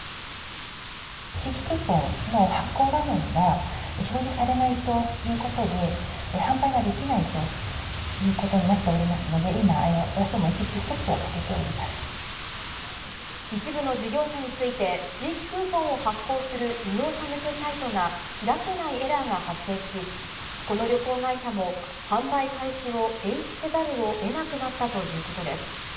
地域クーポンの発行画面が、表示されないということで、販売ができないということになっておりますので、今、私ども一律一部の事業者について、地域クーポンを発行する事業者向けサイトが開けないエラーが発生し、この旅行会社も販売開始を延期せざるをえなくなったということです。